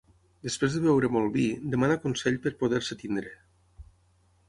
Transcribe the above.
Després de beure molt vi, demana consell per poder-se tenir.